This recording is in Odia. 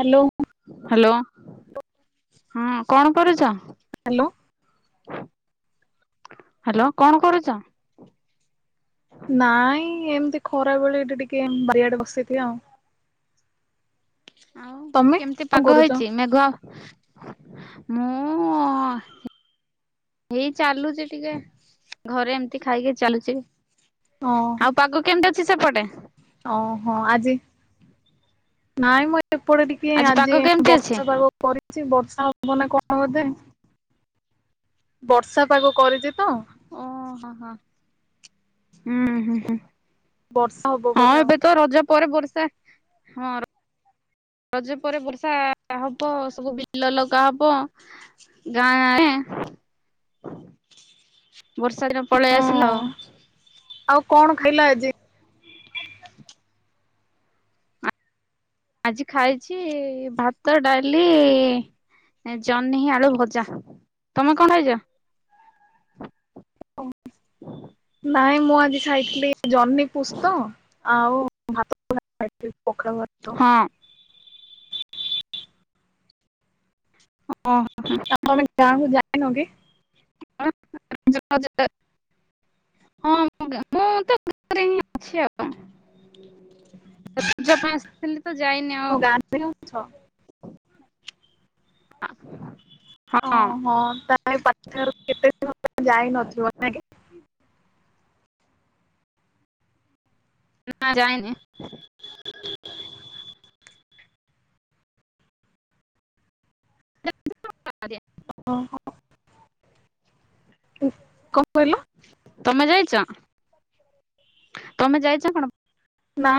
ହାଲୋ। ହାଲୋ। ହଁ କଣ କରୁଚ? ହ୍ୟାଲୋ ହାଲୋ କଣ କରୁଚ? ନାଇଁ ଏମିତି ଖରା ବେଳେ ଏଠି ଟିକେ ଏମ୍ ବାରିଆଡେ ବସିଦିଏ ଆଉ ଆଉ ତମେ କେମିତି କଣ ପାଗ କରୁଛ? ହେଇଚି ମେଘୁଆ? ମୁଁ ହେଇ ଚାଲୁଚି ଟିକେ ଘରେ ଏମତି ଖାଇକି ଚାଲୁଚି। ହଁ ଆଉ ପାଗ କେମିତି? ଛି ସେପଟେ? ଓହୋ ଆଜି ନାଇଁ ମୁ ଏପଟେ ଟିକେ ପାଗ ଆଜି କେମିତି ଅଛି? ବର୍ଷା ପାଗ କରିଛି ବର୍ଷା ହବ ନା କଣ? ହଁ [unintelligible] ବର୍ଷା ପାଗ କରିଛି ତ? ଓହୋ ହୋ ହୁଁ ହୁଁ ହୁଁ। ବର୍ଷା ହବ ହଁ ପରେ ଆଉ। ଏବେ ତ ରଜ ପରେ ବର୍ଷା ହଁ ରଜ ପରେ ବର୍ଷା ହବ ସବୁ ବିଲ ଲଗା ହବ ଗାଁ [unintelligible] ବର୍ଷା ଦିନ ପଳେଇ ଆସିଲା ହଁ ଆଉ ଆଉ କଣ ଖାଇଲ ଆଜି? ଆଜି ଖାଇଛି ଭାତ ଡାଲି ଜହ୍ନି ଆଳୁ ଭଜା ତମେ କଣ ଖାଇଛ? ନାଇଁ ମୁଁ ଆଜି ଖାଇଥିଲି ଜହ୍ନି ପୁସ୍ତ ଆଉ ଭାତ ଖାଇଥିଲି। ପଖାଳ ଭାତ। ହଁ। ଆପଣ [unintelligible] ଗାଁ କୁ ଯାଇ [unintelligible] ହଁ ମୁଁ [unintelligible] ଆସିଥିଲି। ତ ଯାଇନି ଆଉ। ଓ ଗାଁ ରେ [unintelligible] ହିଁ ଅଛ? ହ [inaudible] ଓହୋ ତାହେଲେ [unintelligible] କେତେ ଯାଇନଥିବ ନାଇଁ କି? ନା ଯାଇନି। ଆର୍ୟା ହଁ ହଁ [unintelligible] କଣ? କହିଲ? ତମେ ଯାଇଛ? ତମେ ଯାଇଛ କଣ? ନାଇଁ